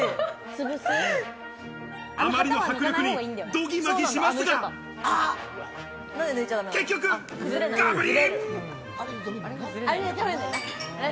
あまりの迫力に、ドギマギしますが、結局ガブリ！